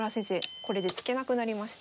これで突けなくなりました。